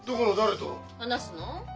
話すの？